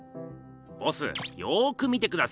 ボスよく見てください。